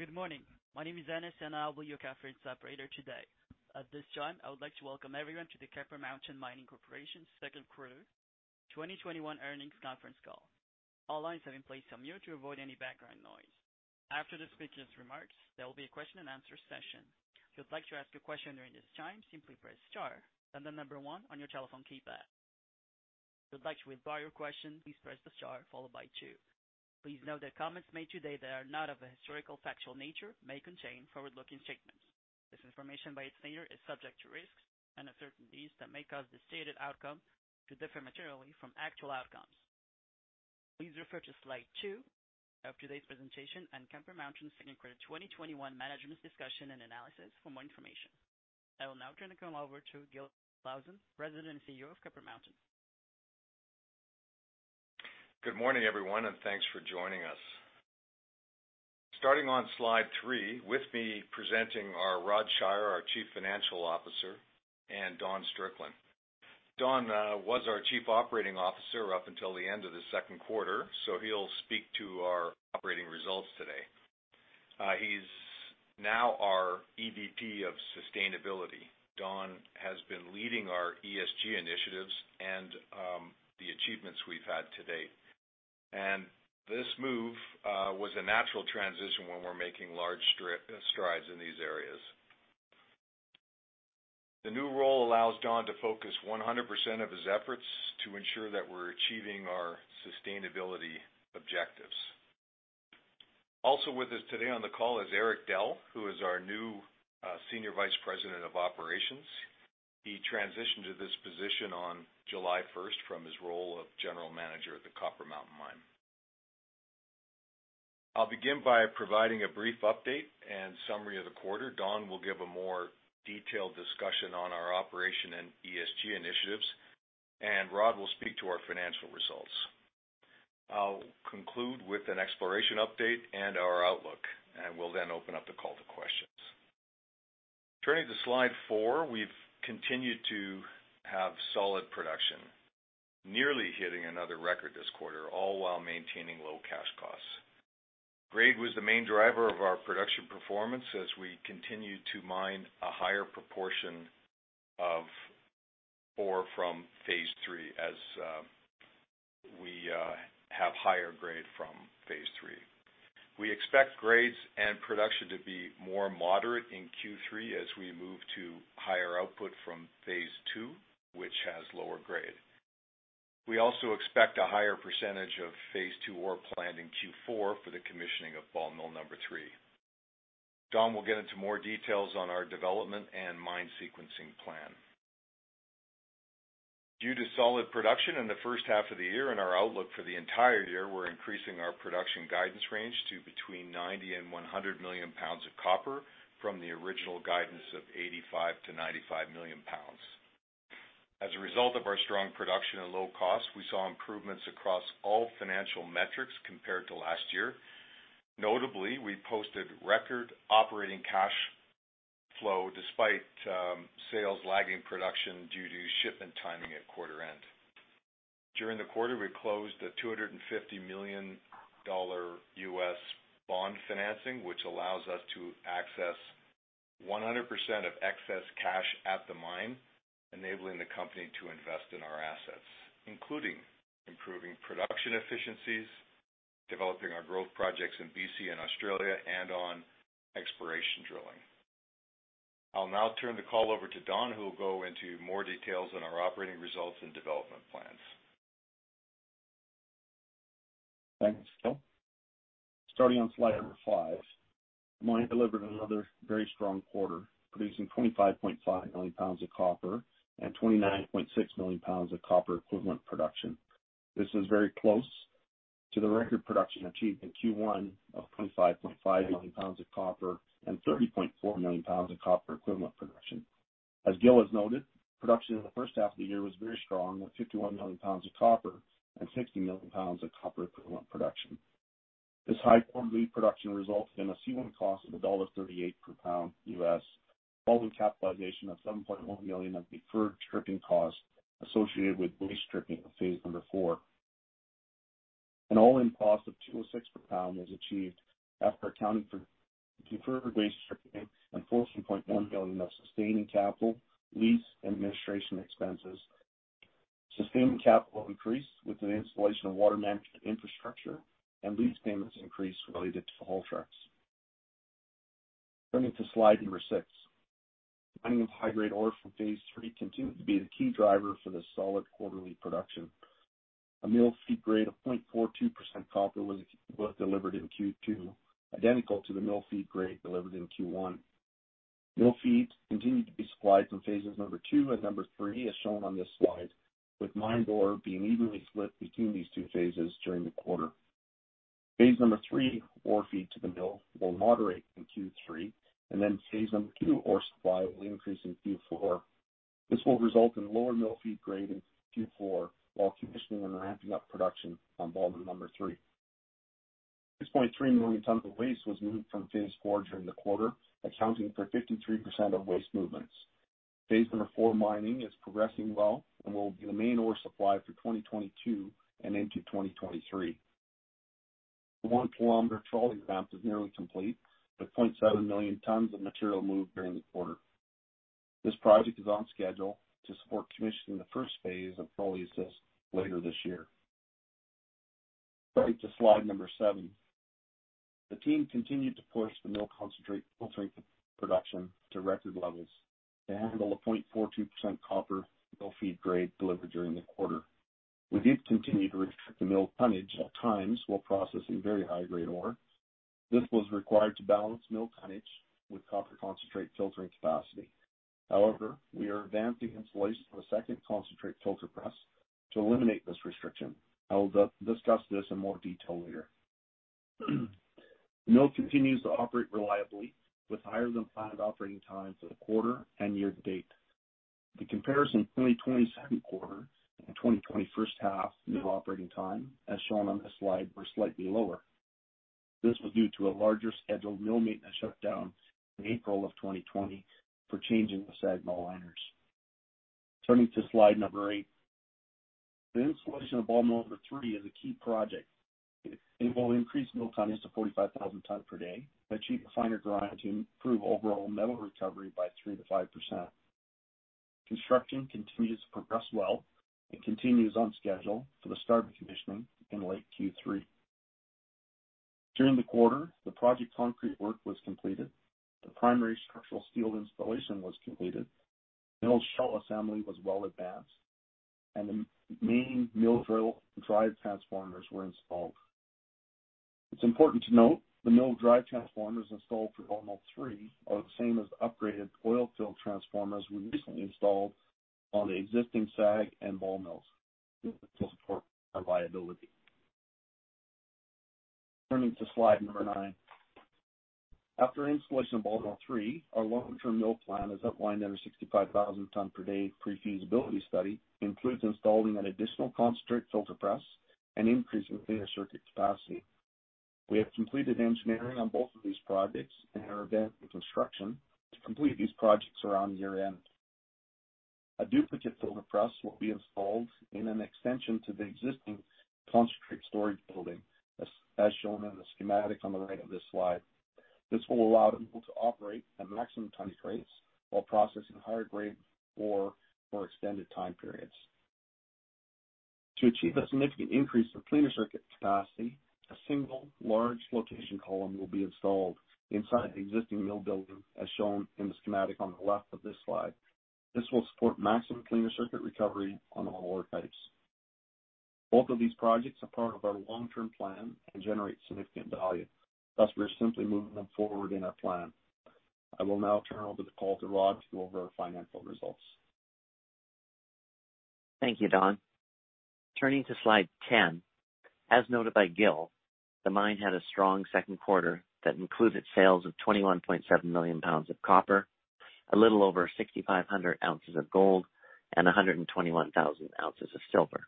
Good morning. My name is Dennis, and I will be your conference operator today. At this time, I would like to welcome everyone to the Copper Mountain Mining Corporation's second quarter 2021 earnings conference call. All lines have been placed on mute to avoid any background noise. After the speakers' remarks, there will be a question and answer session. Please note that comments made today that are not of a historical factual nature may contain forward-looking statements. This information, by its nature, is subject to risks and uncertainties that may cause the stated outcome to differ materially from actual outcomes. Please refer to slide two of today's presentation and Copper Mountain's second quarter 2021 management's discussion and analysis for more information. I will now turn the call over to Gil Clausen, President and CEO of Copper Mountain. Good morning, everyone. Thanks for joining us. Starting on slide three, with me presenting are Rod Shier, our Chief Financial Officer, and Don Strickland. Don was our Chief Operating Officer up until the end of the second quarter, so he'll speak to our operating results today. He's now our EVP of Sustainability. Don has been leading our ESG initiatives and the achievements we've had to date. This move was a natural transition when we're making large strides in these areas. The new role allows Don to focus 100% of his efforts to ensure that we're achieving our sustainability objectives. Also with us today on the call is Eric Dell, who is our new Senior Vice President of Operations. He transitioned to this position on July 1st from his role of General Manager at the Copper Mountain Mine. I'll begin by providing a brief update and summary of the quarter. Don will give a more detailed discussion on our operation and ESG initiatives, and Rod will speak to our financial results. I'll conclude with an exploration update and our outlook, and we'll then open up the call to questions. Turning to slide four, we've continued to have solid production, nearly hitting another record this quarter, all while maintaining low cash costs. Grade was the main driver of our production performance as we continued to mine a higher proportion of ore from Phase 3, as we have higher grade from Phase 3. We expect grades and production to be more moderate in Q3 as we move to higher output from Phase 2, which has lower grade. We also expect a higher percentage of Phase 2 ore planned in Q4 for the commissioning of Ball Mill 3. Don will get into more details on our development and mine sequencing plan. Due to solid production in the first half of the year and our outlook for the entire year, we're increasing our production guidance range to between 90 and 100 million lbs of copper from the original guidance of 85 to 95 million lbs. As a result of our strong production and low cost, we saw improvements across all financial metrics compared to last year. Notably, we posted record operating cash flow despite sales lagging production due to shipment timing at quarter end. During the quarter, we closed a $250 million bond financing, which allows us to access 100% of excess cash at the mine, enabling the company to invest in our assets, including improving production efficiencies, developing our growth projects in B.C. and Australia, and on exploration drilling. I'll now turn the call over to Don, who will go into more details on our operating results and development plans. Thanks, Gil. Starting on slide five, the mine delivered another very strong quarter, producing 25.5 million lbs of copper and 29.6 million lbs of copper equivalent production. This is very close to the record production achieved in Q1 of 25.5 million lbs of copper and 30.4 million lbs of copper equivalent production. As Gil has noted, production in the first half of the year was very strong, with 51 million lbs of copper and 60 million lbs of copper equivalent production. This high quarterly production resulted in a C1 cost of $1.38 per pound US, following capitalization of $7.1 million of deferred stripping costs associated with waste stripping in Phase 4. An all-in cost of $2.06 per pound was achieved after accounting for deferred waste stripping and $14.1 million of sustaining capital, lease, and administration expenses. Sustaining capital increased with the installation of water management infrastructure, and lease payments increased related to haul trucks. Turning to slide six. Mining of high-grade ore from Phase 3 continued to be the key driver for the solid quarterly production. A mill feed grade of 0.42% copper was delivered in Q2, identical to the mill feed grade delivered in Q1. Mill feeds continued to be supplied from Phase 2 and Phase 3, as shown on this slide, with mined ore being evenly split between these two phases during the quarter. Phase 3 ore feed to the mill will moderate in Q3, and then Phase 2 ore supply will increase in Q4. This will result in lower mill feed grade in Q4 while commissioning and ramping up production on Ball Mill 3. 6.3 million tons of waste was moved from Phase 4 during the quarter, accounting for 53% of waste movements. Phase 4 mining is progressing well and will be the main ore supply for 2022 and into 2023. The 1-km trolley ramp is nearly complete, with 7 million tons of material moved during the quarter. This project is on schedule to support commissioning the first phase of trolley assist later this year. Turning to slide seven. The team continued to push the mill concentrate filtering production to record levels to handle the 0.42% copper mill feed grade delivered during the quarter. We did continue to restrict the mill tonnage at times while processing very high-grade ore. This was required to balance mill tonnage with copper concentrate filtering capacity. However, we are advancing installation of a second concentrate filter press to eliminate this restriction. I will discuss this in more detail later. The mill continues to operate reliably with higher-than-planned operating times for the quarter and year to date. The comparison 2020 second quarter and 2020 first half mill operating time, as shown on this slide, were slightly lower. This was due to a larger scheduled mill maintenance shutdown in April of 2020 for changing the SAG mill liners. Turning to slide number eight. The installation of Ball Mill 3 is a key project. It will increase mill tonnage to 45,000 tons per day and achieve a finer grind to improve overall metal recovery by 3%-5%. Construction continues to progress well and continues on schedule for the start of commissioning in late Q3. During the quarter, the project concrete work was completed, the primary structural steel installation was completed, mill shell assembly was well advanced, and the main mill drill drive transformers were installed. It's important to note the mill drive transformers installed for Ball Mill 3 are the same as the upgraded oil-filled transformers we recently installed on the existing SAG and Ball Mills to support reliability. Turning to slide number nine. After installation of Ball Mill 3, our long-term mill plan, as outlined in our 65,000-ton-per-day pre-feasibility study, includes installing an additional concentrate filter press and increasing cleaner circuit capacity. We have completed engineering on both of these projects and are advancing construction to complete these projects around year-end. A duplicate filter press will be installed in an extension to the existing concentrate storage building, as shown on the schematic on the right of this slide. This will allow people to operate at maximum tonnage rates while processing higher-grade ore for extended time periods. To achieve a significant increase in cleaner circuit capacity, a single large flotation column will be installed inside the existing mill building, as shown in the schematic on the left of this slide. This will support maximum cleaner circuit recovery on all ore types. Both of these projects are part of our long-term plan and generate significant value. Thus, we are simply moving them forward in our plan. I will now turn over the call to Rod to go over our financial results. Thank you, Don. Turning to slide 10. As noted by Gil, the mine had a strong second quarter that included sales of 21.7 million lbs of copper, a little over 6,500 oz of gold, and 121,000 oz of silver.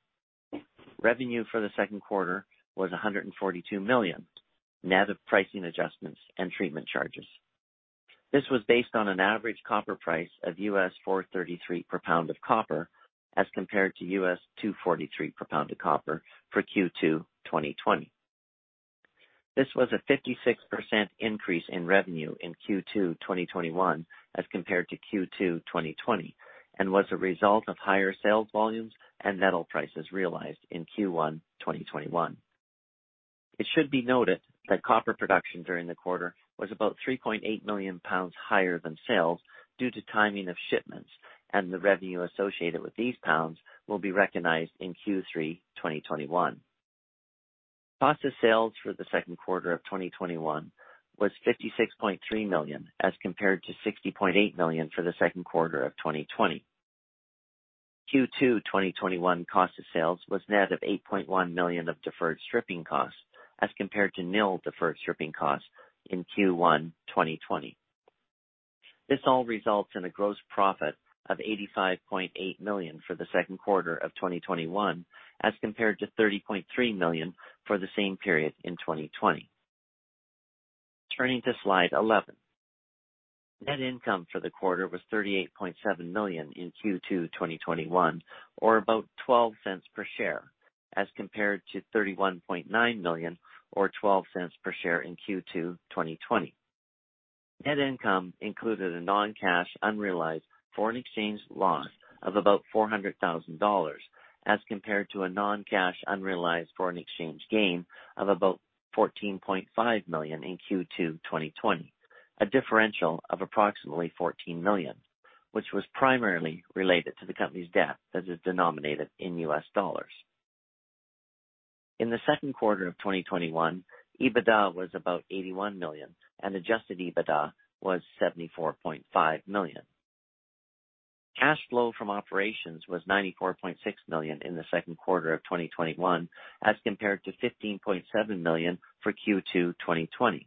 Revenue for the second quarter was 142 million, net of pricing adjustments and treatment charges. This was based on an average copper price of $4.33 /lb of copper, as compared to $2.43 /lb of copper for Q2 2020. This was a 56% increase in revenue in Q2 2021 as compared to Q2 2020, and was a result of higher sales volumes and metal prices realized in Q1 2021. It should be noted that copper production during the quarter was about 3.8 million lb higher than sales due to timing of shipments, and the revenue associated with these pounds will be recognized in Q3 2021. Cost of sales for the second quarter of 2021 was 56.3 million, as compared to 60.8 million for the second quarter of 2020. Q2 2021 cost of sales was net of 8.1 million of deferred stripping costs, as compared to nil deferred stripping costs in Q1 2020. This all results in a gross profit of 85.8 million for the second quarter of 2021, as compared to 30.3 million for the same period in 2020. Turning to slide 11. Net income for the quarter was 38.7 million in Q2 2021, or about 0.12 per share, as compared to 31.9 million or 0.12 per share in Q2 2020. Net income included a non-cash unrealized foreign exchange loss of about 400,000 dollars, as compared to a non-cash unrealized foreign exchange gain of about 14.5 million in Q2 2020, a differential of approximately 14 million, which was primarily related to the company's debt, as is denominated in U.S. dollars. In the second quarter of 2021, EBITDA was about 81 million, and adjusted EBITDA was 74.5 million. Cash flow from operations was 94.6 million in the second quarter of 2021, as compared to 15.7 million for Q2 2020.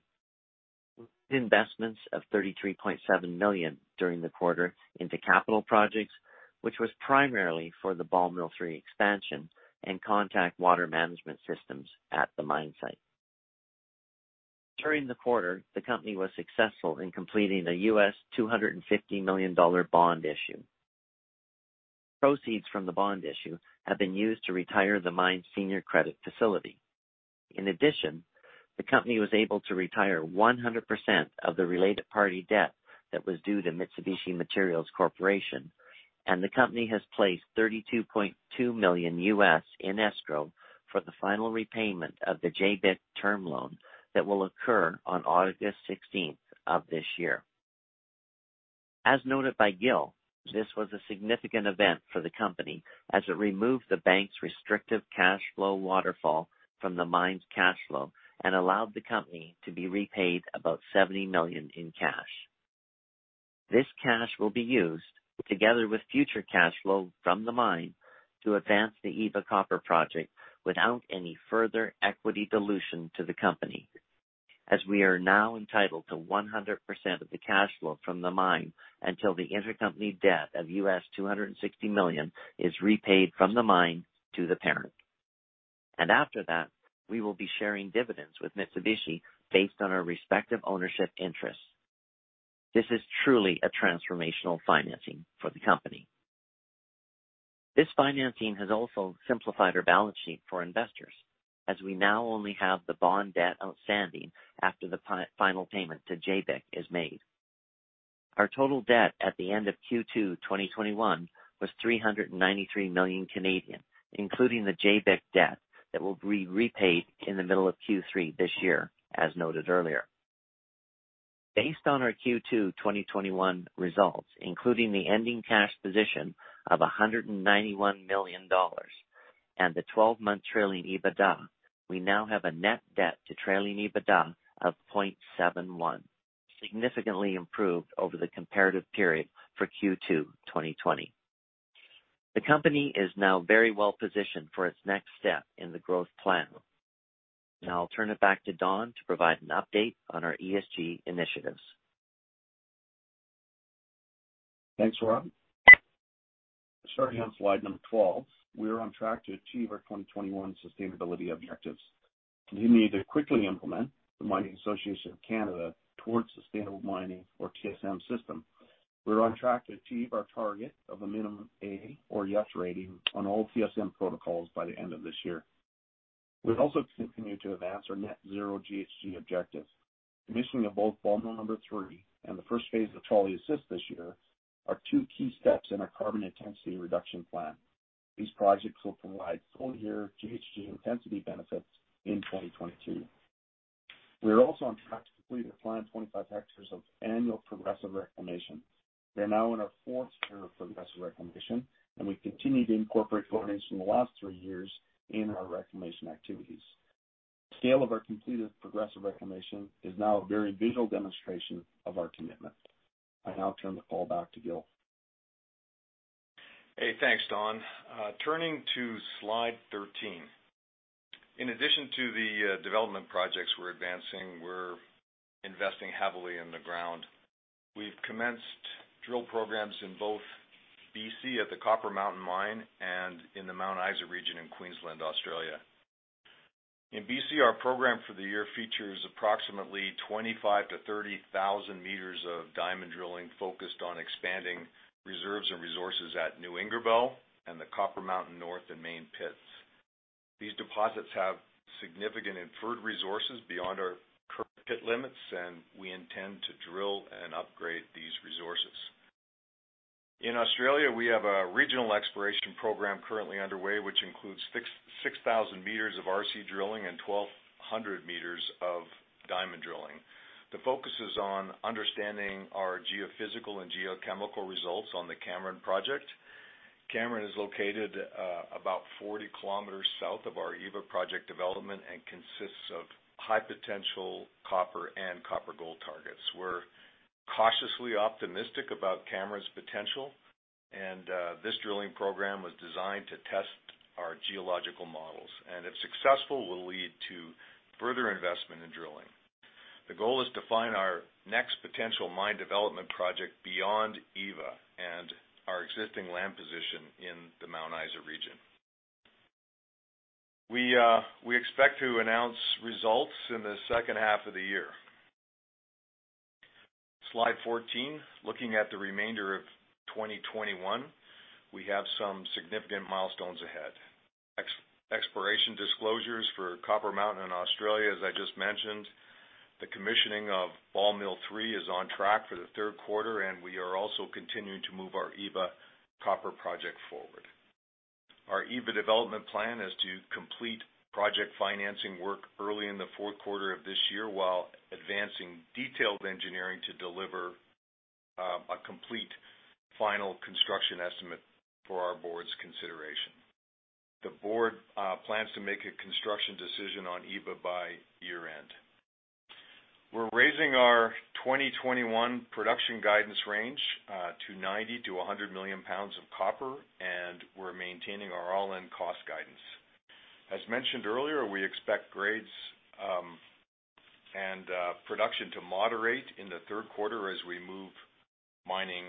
Investments of 33.7 million during the quarter into capital projects, which was primarily for the Ball Mill 3 expansion and contact water management systems at the mine site. During the quarter, the company was successful in completing a U.S. $250 million bond issue. Proceeds from the bond issue have been used to retire the mine's senior credit facility. The company was able to retire 100% of the related party debt that was due to Mitsubishi Materials Corporation, and the company has placed $32.2 million in escrow for the final repayment of the JBIC term loan that will occur on August 16th of this year. As noted by Gil, this was a significant event for the company as it removed the bank's restrictive cash flow waterfall from the mine's cash flow and allowed the company to be repaid about 70 million in cash. This cash will be used together with future cash flow from the mine to advance the Eva Copper Project without any further equity dilution to the company, as we are now entitled to 100% of the cash flow from the mine until the intercompany debt of $260 million is repaid from the mine to the parent. After that, we will be sharing dividends with Mitsubishi based on our respective ownership interests. This is truly a transformational financing for the company. This financing has also simplified our balance sheet for investors as we now only have the bond debt outstanding after the final payment to JBIC is made. Our total debt at the end of Q2 2021 was 393 million, including the JBIC debt that will be repaid in the middle of Q3 this year as noted earlier. Based on our Q2 2021 results, including the ending cash position of 191 million dollars and the 12-month trailing EBITDA, we now have a net debt to trailing EBITDA of 0.71, significantly improved over the comparative period for Q2 2020. The company is now very well positioned for its next step in the growth plan. Now I'll turn it back to Don to provide an update on our ESG initiatives. Thanks, Rod. Starting on slide number 12, we are on track to achieve our 2021 sustainability objectives. We need to quickly implement the Mining Association of Canada Towards Sustainable Mining or TSM system. We're on track to achieve our target of a minimum A or yes rating on all TSM protocols by the end of this year. We've also continued to advance our net zero GHG objectives. Commissioning of both Ball Mill 3 and the first phase of trolley assist this year are two key steps in our carbon intensity reduction plan. These projects will provide full-year GHG intensity benefits in 2022. We are also on track to complete the planned 25 hectares of annual progressive reclamation. We are now in our fourth year of progressive reclamation, and we continue to incorporate learnings from the last three years in our reclamation activities. Scale of our completed progressive reclamation is now a very visual demonstration of our commitment. I now turn the call back to Gil. Hey, thanks, Don. Turning to slide 13. In addition to the development projects we're advancing, we're investing heavily in the ground. We've commenced drill programs in both B.C. at the Copper Mountain Mine and in the Mount Isa region in Queensland, Australia. In B.C., our program for the year features approximately 25,000-30,000 meters of diamond drilling focused on expanding reserves and resources at New Ingerbelle and the Copper Mountain North and main pits. These deposits have significant inferred resources beyond our current pit limits. We intend to drill and upgrade these resources. In Australia, we have a regional exploration program currently underway, which includes 6,000 m of RC drilling and 1,200 meters of diamond drilling. The focus is on understanding our geophysical and geochemical results on the Cameron Project. Cameron is located about 40 km south of our Eva Project development and consists of high potential copper and copper gold targets. We're cautiously optimistic about Cameron's potential, this drilling program was designed to test our geological models. If successful, will lead to further investment in drilling. The goal is to find our next potential mine development project beyond Eva and our existing land position in the Mount Isa region. We expect to announce results in the second half of the year. Slide 14. Looking at the remainder of 2021, we have some significant milestones ahead. Exploration disclosures for Copper Mountain in Australia, as I just mentioned. The commissioning of Ball Mill 3 is on track for the third quarter, and we are also continuing to move our Eva copper project forward. Our Eva development plan is to complete project financing work early in the fourth quarter of this year while advancing detailed engineering to deliver a complete final construction estimate for our board's consideration. The board plans to make a construction decision on Eva by year-end. We're raising our 2021 production guidance range to 90 million to 100 million lbs of copper, and we're maintaining our all-in cost guidance. As mentioned earlier, we expect grades and moderate in the third quarter as we move mining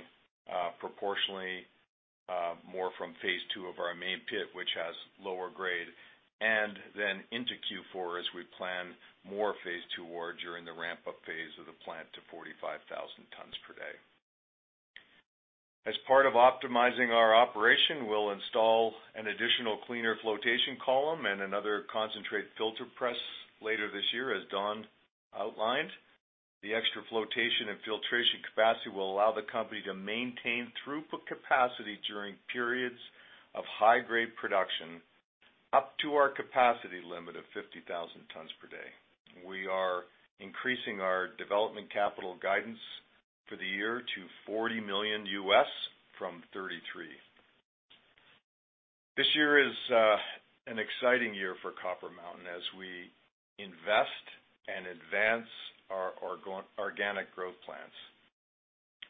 proportionally more from Phase 2 of our main pit, which has lower grade, and then into Q4 as we plan more Phase 2 ore during the ramp-up phase of the plant to 45,000 tons per day. As part of optimizing our operation, we'll install an additional cleaner flotation column and another concentrate filter press later this year, as Don outlined. The extra flotation and filtration capacity will allow the company to maintain throughput capacity during periods of high-grade production up to our capacity limit of 50,000 tons per day. We are increasing our development capital guidance for the year to 40 million from 33 million. This year is an exciting year for Copper Mountain as we invest and advance our organic growth plans.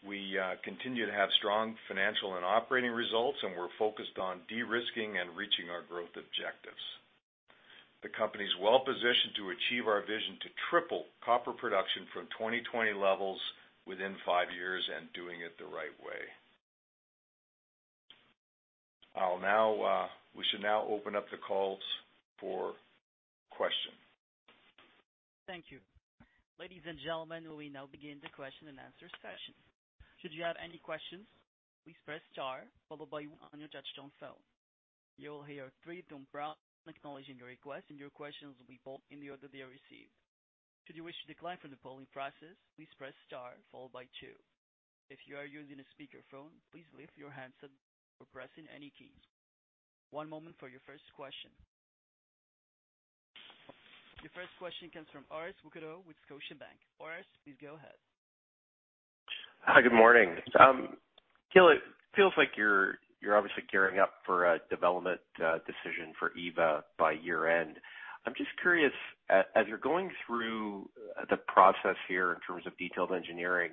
We continue to have strong financial and operating results, and we're focused on de-risking and reaching our growth objectives. The company is well positioned to achieve our vision to triple copper production from 2020 levels within five years and doing it the right way. We should now open up the calls for questions. Thank you. Ladies and gentlemen, we now begin the question and answer session. Should you have any questions, please press star followed by one on your touchstone phone. You will hear three short prompts acknowledging your request and your questions will be pulled in the order they are received. Should you wish to decline from the polling process, please press star followed by two. If you are using a speakerphone, please lift your handset before pressing any keys. One moment for your first question. Your first question comes from Orest Wowkodaw with Scotiabank. Orest, please go ahead. Hi, good morning. Gil, it feels like you're obviously gearing up for a development decision for Eva by year-end. I'm just curious, as you're going through the process here in terms of detailed engineering,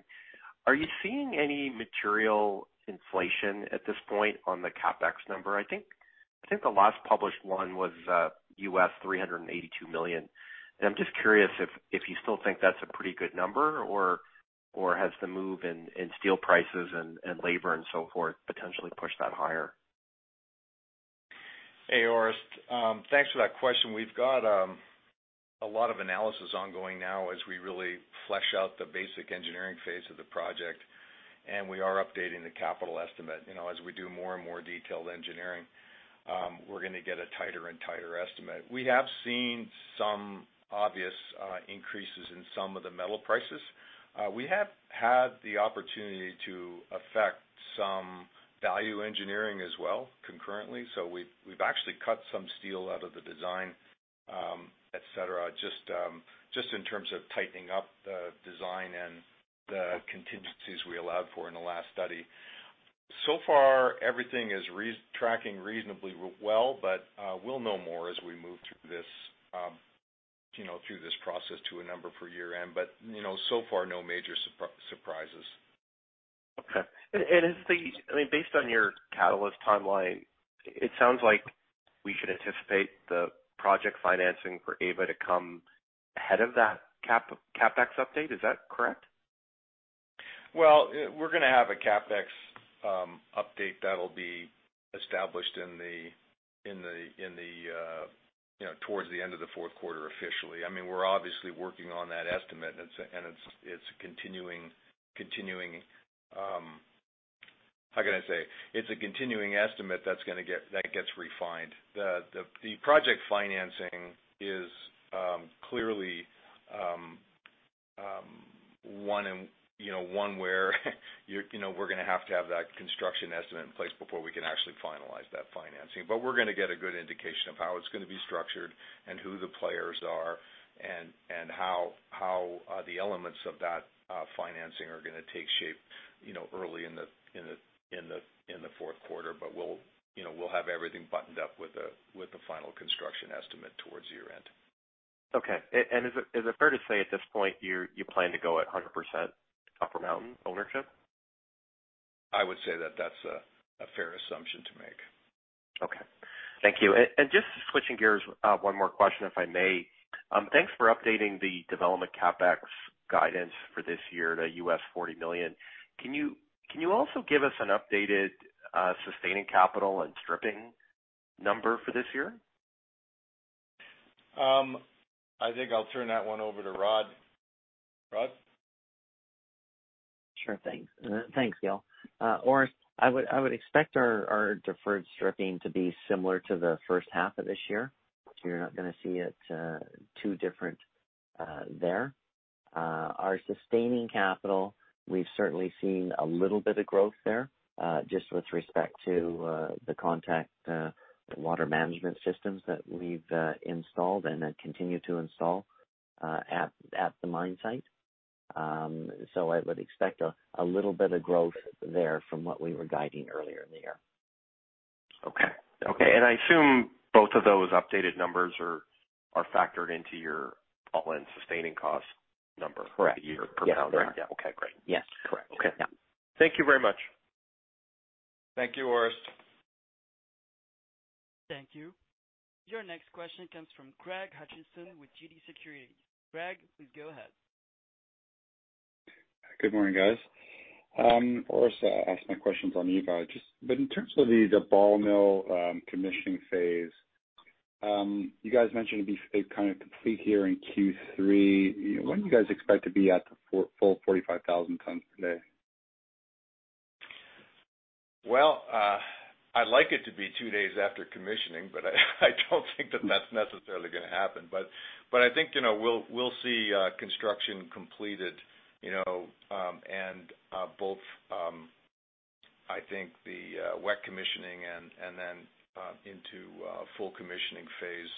are you seeing any material inflation at this point on the CapEx number? I think the last published one was $382 million. I'm just curious if you still think that's a pretty good number or has the move in steel prices and labor and so forth potentially pushed that higher? Hey, Orest. Thanks for that question. We've got a lot of analysis ongoing now as we really flesh out the basic engineering phase of the project, and we are updating the capital estimate. As we do more and more detailed engineering, we're going to get a tighter and tighter estimate. We have seen some obvious increases in some of the metal prices. We have had the opportunity to affect some value engineering as well, concurrently. We've actually cut some steel out of the design, et cetera, just in terms of tightening up the design and the contingencies we allowed for in the last study. So far, everything is tracking reasonably well, but we'll know more as we move through this process to a number for year-end. So far, no major surprises. Okay. I mean, based on your catalyst timeline, it sounds like we should anticipate the project financing for Eva to come ahead of that CapEx update. Is that correct? Well, we're going to have a CapEx update that'll be established towards the end of the fourth quarter officially. I mean, we're obviously working on that estimate, and it's continuing, how can I say? It's a continuing estimate that gets refined. The project financing is clearly one where we're going to have to have that construction estimate in place before we can actually finalize that financing. We're going to get a good indication of how it's going to be structured and who the players are and how the elements of that financing are going to take shape early in the fourth quarter. We'll have everything buttoned up with the final construction estimate towards year-end. Okay. Is it fair to say at this point you plan to go at 100% Copper Mountain ownership? I would say that that's a fair assumption to make. Okay. Thank you. Just switching gears, one more question, if I may. Thanks for updating the development CapEx guidance for this year to $40 million. Can you also give us an updated sustaining capital and stripping number for this year? I think I'll turn that one over to Rod. Rod? Sure thing. Thanks, Gil. Orest, I would expect our deferred stripping to be similar to the first half of this year. You're not going to see it too different there. Our sustaining capital, we've certainly seen a little bit of growth there, just with respect to the contact water management systems that we've installed and then continue to install at the mine site. I would expect a little bit of growth there from what we were guiding earlier in the year. Okay. I assume both of those updated numbers are factored into your all-in sustaining cost number. Correct per pound. Yes, they are. Okay, great. Yes. Correct. Okay. Thank you very much. Thank you, Orest. Thank you. Your next question comes from Craig Hutchison with TD Securities. Craig, please go ahead. Good morning, guys. Orest, I'll ask my questions on Eva. In terms of the ball mill commissioning phase, you guys mentioned it being kind of complete here in Q3. When do you guys expect to be at the full 45,000 tons per day? I'd like it to be two days after commissioning, but I don't think that that's necessarily going to happen. I think we'll see construction completed, and both I think the wet commissioning and then into full commissioning phase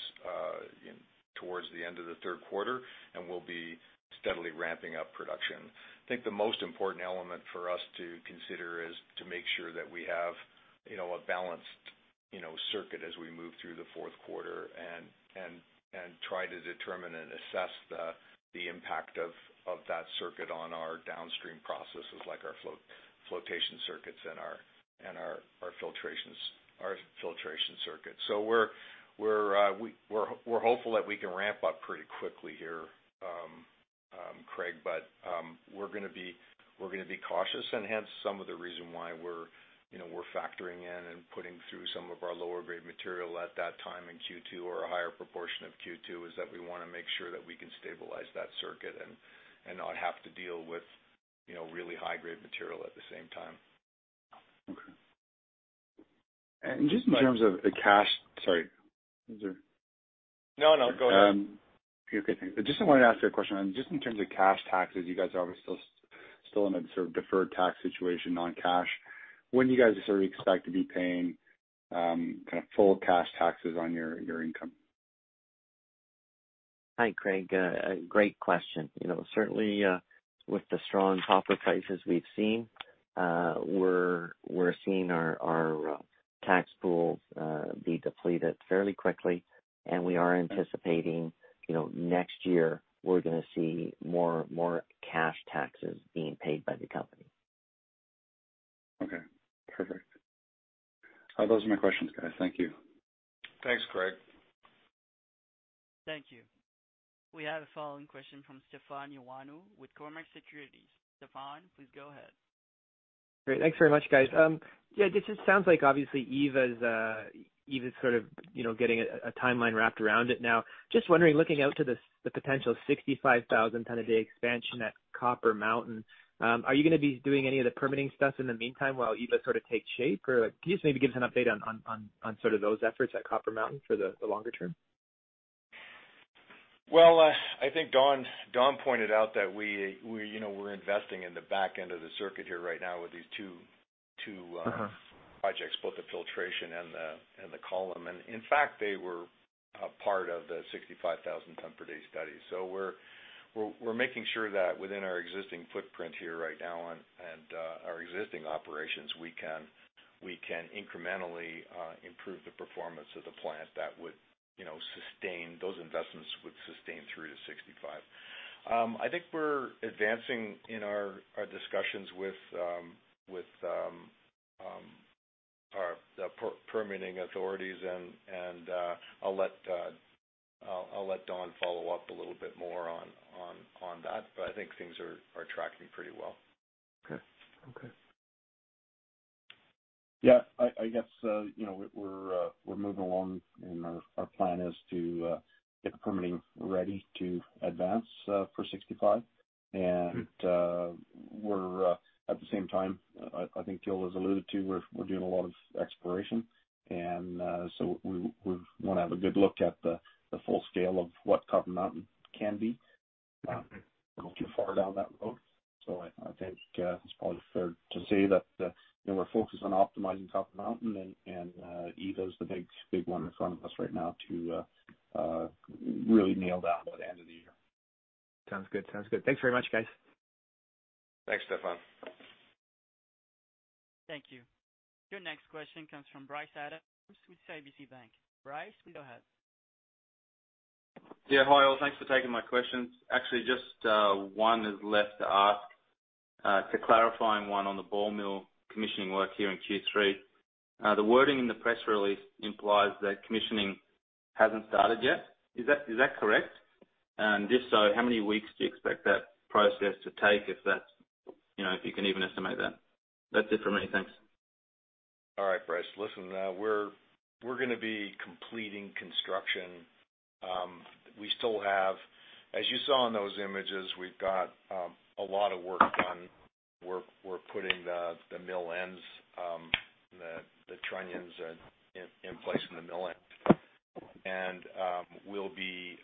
towards the end of the third quarter, and we'll be steadily ramping up production. I think the most important element for us to consider is to make sure that we have a balanced circuit as we move through the fourth quarter and try to determine and assess the impact of that circuit on our downstream processes like our flotation circuits and our filtration circuits. We're hopeful that we can ramp up pretty quickly here, Craig, but we're going to be cautious, and hence some of the reason why we're factoring in and putting through some of our lower grade material at that time in Q2 or a higher proportion of Q2, is that we want to make sure that we can stabilize that circuit and not have to deal with really high-grade material at the same time. Okay. Sorry. Is there No, go ahead. Okay, thanks. I just wanted to ask you a question. Just in terms of cash taxes, you guys are obviously still in a sort of deferred tax situation on cash. When do you guys sort of expect to be paying full cash taxes on your income? Hi, Craig. Great question. Certainly, with the strong copper prices we've seen, we're seeing our tax pools be depleted fairly quickly, and we are anticipating, next year, we're going to see more cash taxes being paid by the company. Okay, perfect. Those are my questions, guys. Thank you. Thanks, Craig. Thank you. We have a following question from Stefan Ioannou with Cormark Securities. Stefan, please go ahead. Great. Thanks very much, guys. Yeah, it just sounds like obviously Eva's sort of getting a timeline wrapped around it now. Just wondering, looking out to the potential 65,000 tons a day expansion at Copper Mountain, are you going to be doing any of the permitting stuff in the meantime while Eva sort of takes shape? Can you just maybe give us an update on sort of those efforts at Copper Mountain for the longer term? Well, I think Don pointed out that we're investing in the back end of the circuit here right now with these two projects, both the filtration and the column. In fact, they were a part of the 65,000 ton per day study. We're making sure that within our existing footprint here right now and our existing operations, we can incrementally improve the performance of the plant that would sustain those investments, would sustain through to 65. I think we're advancing in our discussions with the permitting authorities, and I'll let Don follow up a little bit more on that, but I think things are tracking pretty well. Okay. I guess, we're moving along and our plan is to get the permitting ready to advance for 65. We're at the same time, I think Gil has alluded to, we're doing a lot of exploration, and so we want to have a good look at the full scale of what Copper Mountain can be before we go too far down that road. I think it's probably fair to say that we're focused on optimizing Copper Mountain and Eva's the big one in front of us right now to really nail down by the end of the year. Sounds good. Thanks very much, guys. Thanks, Stefan. Thank you. Your next question comes from Bryce Adams with CIBC Bank. Bryce, please go ahead. Yeah. Hi, all. Thanks for taking my questions. Actually, just one is left to ask. It's a clarifying one on the ball mill commissioning work here in Q3. The wording in the press release implies that commissioning hasn't started yet. Is that correct? If so, how many weeks do you expect that process to take, if you can even estimate that? That's it from me. Thanks. All right, Bryce. Listen, we're going to be completing construction. We still have, as you saw in those images, we've got a lot of work done. We're putting the mill ends, the trunnions in place in the mill end. We'll be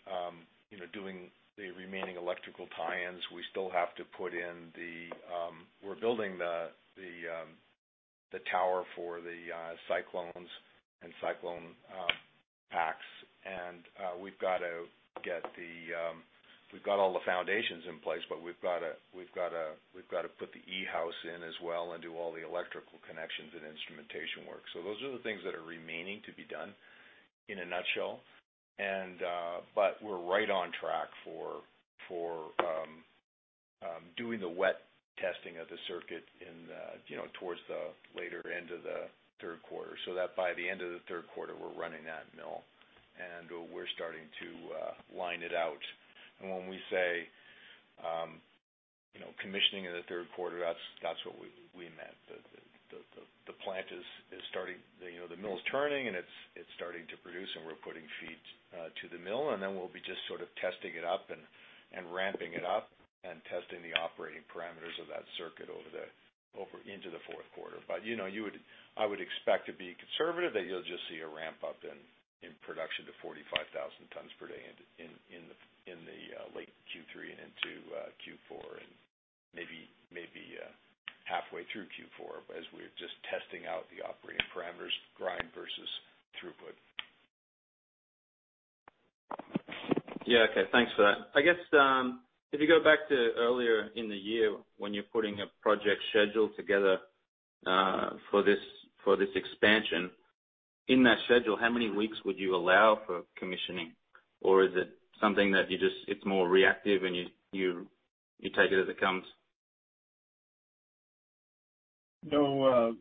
doing the remaining electrical tie-ins. We're building the tower for the cyclones and cyclone packs. We've got all the foundations in place, but we've got to put the E-house in as well and do all the electrical connections and instrumentation work. Those are the things that are remaining to be done in a nutshell. We're right on track for doing the wet testing of the circuit towards the later end of the third quarter. By the end of the third quarter, we're running that mill, and we're starting to line it out. When we say, commissioning in the third quarter, that's what we meant. The mill's turning, and it's starting to produce, and we're putting feeds to the mill. We'll be just sort of testing it up and ramping it up and testing the operating parameters of that circuit over into the fourth quarter. I would expect to be conservative, that you'll just see a ramp up in production to 45,000 tons per day in the late Q3 and into Q4 and maybe halfway through Q4, as we're just testing out the operating parameters, grind versus throughput. Yeah. Okay. Thanks for that. I guess, if you go back to earlier in the year when you're putting a project schedule together, for this expansion, in that schedule, how many weeks would you allow for commissioning? Or is it something that it's more reactive and you take it as it comes? No.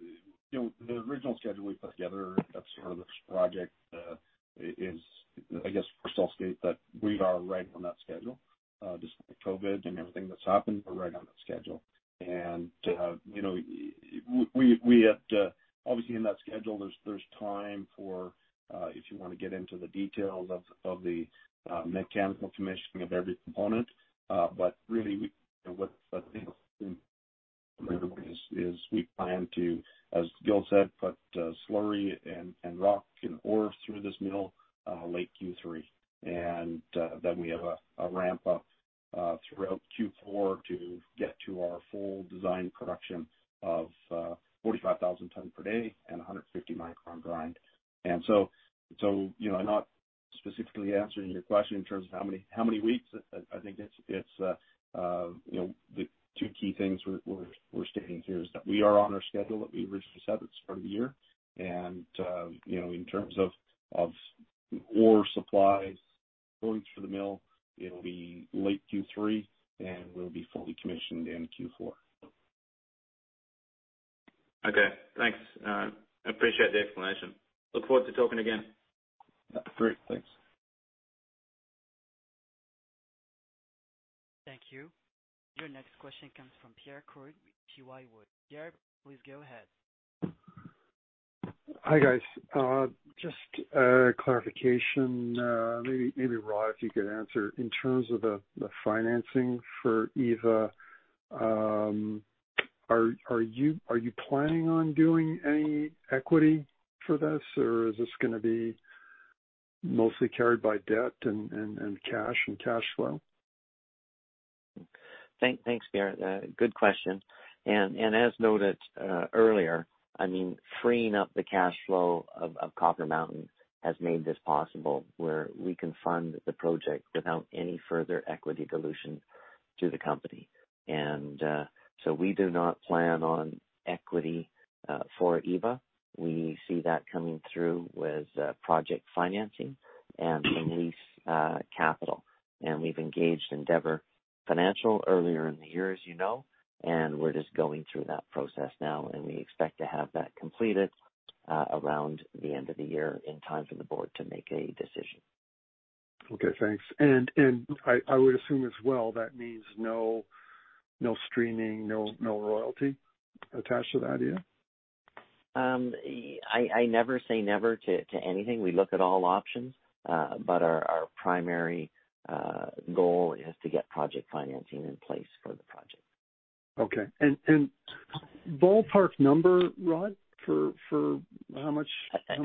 The original schedule we put together at the start of this project is, I guess first I'll state that we are right on that schedule. Despite COVID and everything that's happened, we're right on that schedule. Obviously in that schedule, there's time for if you want to get into the details of the mechanical commissioning of every component. Really, what I think is we plan to, as Gil said, put slurry and rock and ore through this mill late Q3. We have a ramp up throughout Q4 to get to our full design production of 45,000 ton per day and 150 micron grind. I'm not specifically answering your question in terms of how many weeks. I think the two key things we're stating here is that we are on our schedule that we originally set at the start of the year. In terms of ore supplies going through the mill, it'll be late Q3, and we'll be fully commissioned in Q4. Okay, thanks. I appreciate the explanation. Look forward to talking again. Great. Thanks. Thank you. Your next question comes from Pierre Vaillancourt with Haywood Securities. Pierre, please go ahead. Hi, guys. Just a clarification, maybe Rod, if you could answer. In terms of the financing for Eva, are you planning on doing any equity for this or is this going to be mostly carried by debt and cash and cash flow? Thanks, Pierre. Good question. As noted earlier, freeing up the cash flow of Copper Mountain has made this possible, where we can fund the project without any further equity dilution to the company. We do not plan on equity for Eva. We see that coming through with project financing and lease capital. We've engaged Endeavour Financial earlier in the year, as you know, and we're just going through that process now, and we expect to have that completed around the end of the year in time for the board to make a decision. Okay, thanks. I would assume as well, that means no streaming, no royalty attached to that, yeah? I never say never to anything. We look at all options. Our primary goal is to get project financing in place for the project. Okay. Ballpark number, Rod, for how much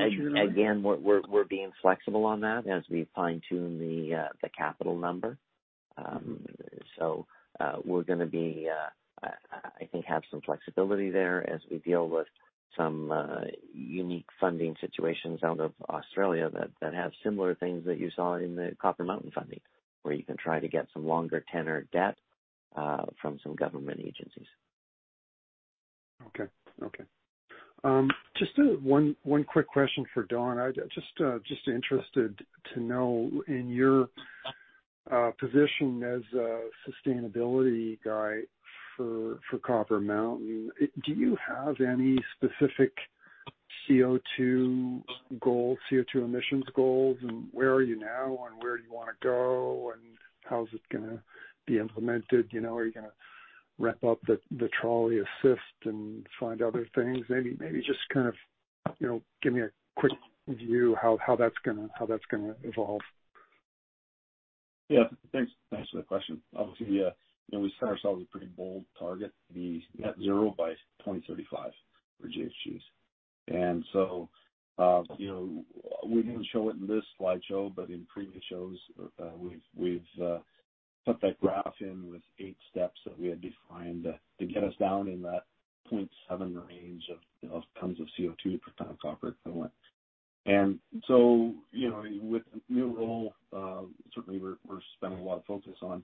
you're going to? Again, we're being flexible on that as we fine-tune the capital number. We're going to, I think, have some flexibility there as we deal with some unique funding situations out of Australia that have similar things that you saw in the Copper Mountain funding, where you can try to get some longer tenure debt from some government agencies. Okay. Just one quick question for Don. I'm just interested to know, in your position as a sustainability guy for Copper Mountain, do you have any specific CO2 goals, CO2 emissions goals, and where are you now, and where do you want to go, and how is it going to be implemented? Are you going to ramp up the trolley assist and find other things? Maybe just kind of give me a quick view how that's going to evolve. Yeah. Thanks for the question. Obviously, we set ourselves a pretty bold target, the net zero by 2035 for GHGs. We didn't show it in this slideshow, but in previous shows, we've put that graph in with eight steps that we had defined to get us down in that 0.7 range of tons of CO2 per ton of copper equivalent. With the new role, certainly we're spending a lot of focus on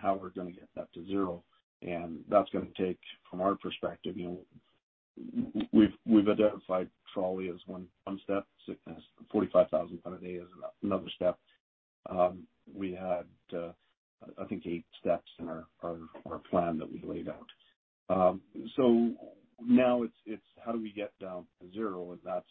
how we're going to get that to zero. That's going to take, from our perspective, we've identified trolley as one step, 45,000 ton a day is another step. We had, I think, eight steps in our plan that we laid out. Now it's how do we get down to zero? That's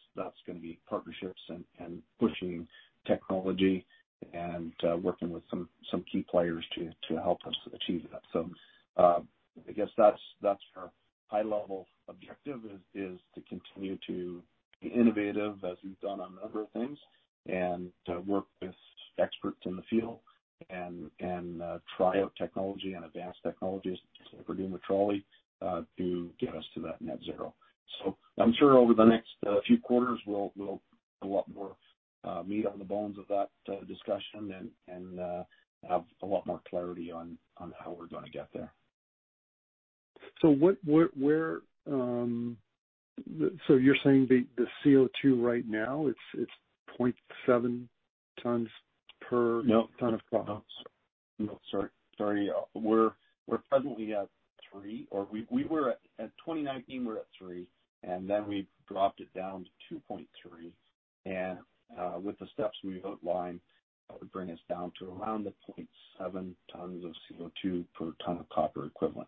going to be partnerships and pushing technology and working with some key players to help us achieve that. I guess that's our high level objective is to continue to be innovative as we've done on a number of things, and to work with experts in the field, and try out technology and advanced technologies, as we're doing with trolley, to get us to that net zero. I'm sure over the next few quarters, we'll have a lot more meat on the bones of that discussion and have a lot more clarity on how we're going to get there. You're saying the CO2 right now, it's 0.7 tons per. No. Ton of copper. No, sorry. We're presently at three. In 2019, we were at three, and then we dropped it down to 2.3, and with the steps we've outlined, that would bring us down to around the 0.7 tons of CO2 per ton of copper equivalent.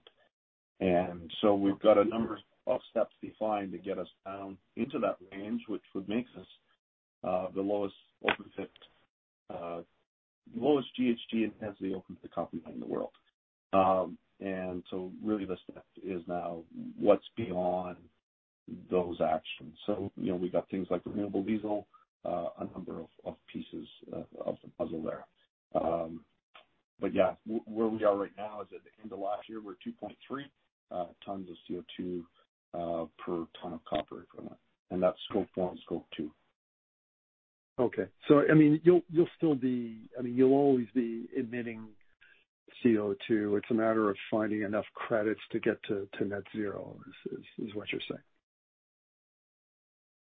We've got a number of steps defined to get us down into that range, which would make us the lowest GHG intensity open pit copper mine in the world. Really, the step is now what's beyond those actions. We've got things like renewable diesel, a number of pieces of the puzzle there. Yeah, where we are right now is, at the end of last year, we're 2.3 tons of CO2 per ton of copper equivalent, and that's Scope 1 and Scope 2. Okay. You'll always be emitting CO2. It's a matter of finding enough credits to get to net zero, is what you're saying?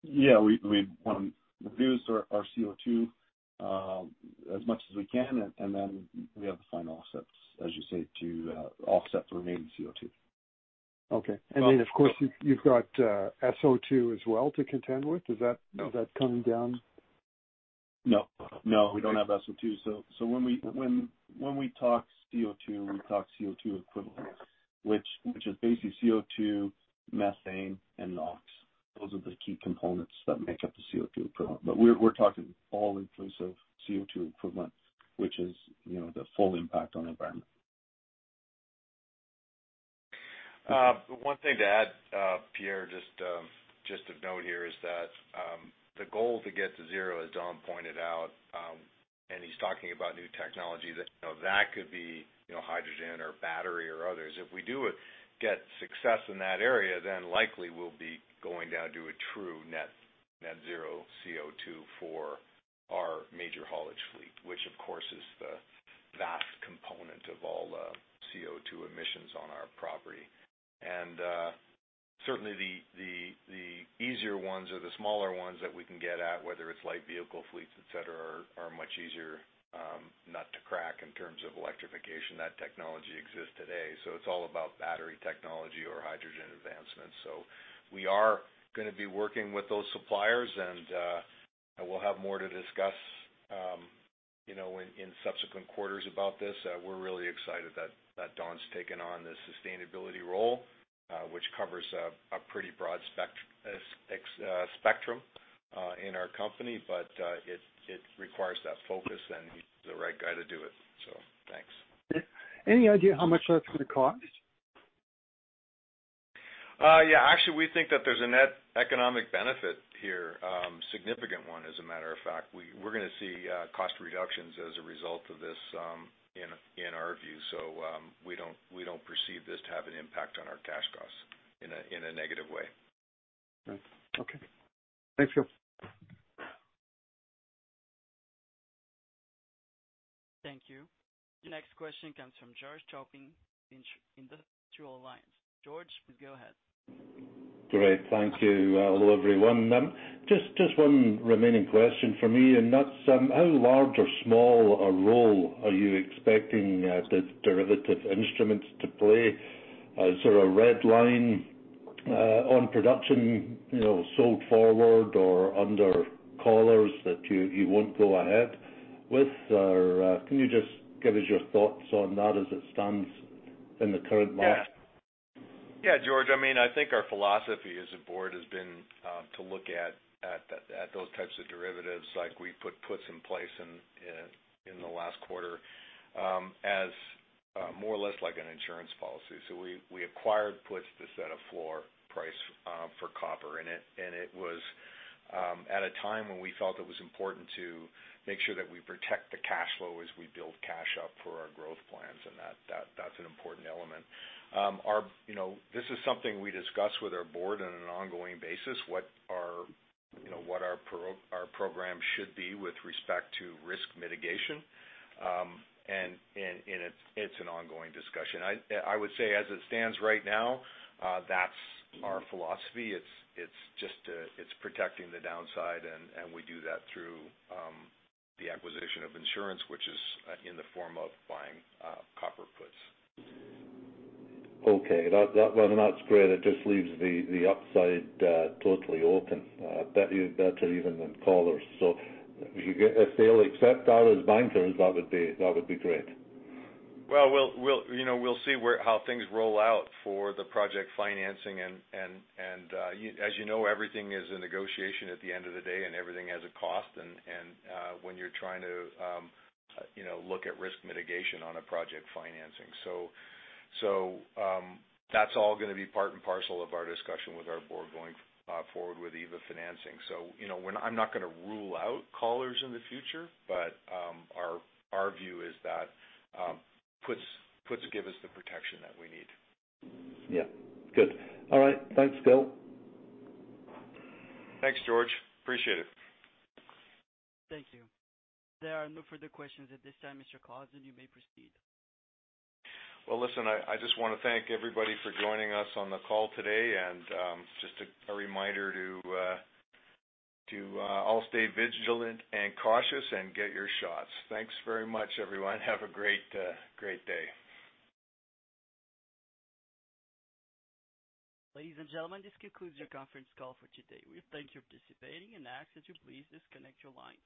Yeah. We want to reduce our CO2 as much as we can. We have to find offsets, as you say, to offset the remaining CO2. Okay. Then, of course, you've got SO2 as well to contend with. No coming down? No, we don't have SO2. When we talk CO2, we talk CO2 equivalent, which is basically CO2, methane, and NOx. Those are the key components that make up the CO2 equivalent. We're talking all inclusive CO2 equivalent, which is the full impact on the environment. One thing to add, Pierre, just of note here, is that the goal to get to zero, as Don pointed out, and he's talking about new technology that could be hydrogen or battery or others. If we do get success in that area, then likely we'll be going down to a true net zero CO2 for our major haulage fleet, which of course, is the vast component of all the CO2 emissions on our property. Certainly, the easier ones or the smaller ones that we can get at, whether it's light vehicle fleets, et cetera, are much easier nut to crack in terms of electrification. That technology exists today. It's all about battery technology or hydrogen advancements. We are going to be working with those suppliers, and we'll have more to discuss in subsequent quarters about this. We're really excited that Don's taken on the sustainability role, which covers a pretty broad spectrum in our company. It requires that focus, and he's the right guy to do it. Thanks. Any idea how much that's going to cost? Yeah. Actually, we think that there's a net economic benefit here, a significant one, as a matter of fact. We're going to see cost reductions as a result of this, in our view. We don't perceive this to have an impact on our cash costs in a negative way. Okay. Thank you. Thank you. The next question comes from George Topping in Industrial Alliance. George, go ahead. Great, thank you. Hello, everyone. Just one remaining question from me, and that's how large or small a role are you expecting the derivative instruments to play? Is there a red line on production sold forward or under collars that you won't go ahead with? Can you just give us your thoughts on that as it stands in the current market? Yeah, George. I think our philosophy as a board has been to look at those types of derivatives, like we put puts in place in the last quarter, as more or less like an insurance policy. We acquired puts to set a floor price for copper, and it was at a time when we felt it was important to make sure that we protect the cash flow as we build cash up for our growth plans, and that's an important element. This is something we discuss with our board on an ongoing basis, what our program should be with respect to risk mitigation. It's an ongoing discussion. I would say as it stands right now, that's our philosophy. It's protecting the downside, and we do that through the acquisition of insurance, which is in the form of buying copper puts. Okay. That's great. It just leaves the upside totally open. Better even than collars. If they'll accept ours as bankers, that would be great. Well, we'll see how things roll out for the project financing, and as you know, everything is a negotiation at the end of the day, and everything has a cost, and when you're trying to look at risk mitigation on a project financing. That's all going to be part and parcel of our discussion with our board going forward with Eva financing. I'm not going to rule out collars in the future, but our view is that puts give us the protection that we need. Yeah. Good. All right, thanks, Gil. Thanks, George. Appreciate it. Thank you. There are no further questions at this time. Mr. Clausen, you may proceed. Well, listen, I just want to thank everybody for joining us on the call today. Just a reminder to all, stay vigilant and cautious and get your shots. Thanks very much, everyone. Have a great day. Ladies and gentlemen, this concludes your conference call for today. We thank you for participating and ask that you please disconnect your lines.